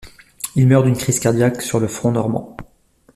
Il meurt d'une crise cardiaque sur le front normand.